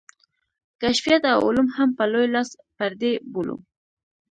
کشفیات او علوم هم په لوی لاس پردي بولو.